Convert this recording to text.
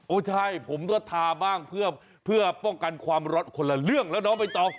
โอ้ใช่ผมก็ทาบ้างเพื่อป้องกันความร้อนคนละเรื่องแล้วไปต่อ